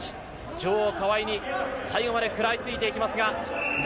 女王・川井に最後まで食らいついて行きます。